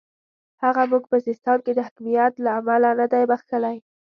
هغه موږ په سیستان کې د حکمیت له امله نه دی بخښلی.